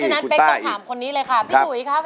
พี่ถุยคะเป็นไงฮะ